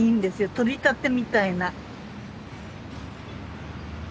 とりたてみたいな。